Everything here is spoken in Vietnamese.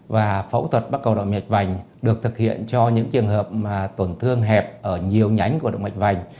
và phẫu thuật bắt cầu động mạch vành được thực hiện cho những trường hợp mà tổn thương hẹp ở nhiều nhánh của động mạch vành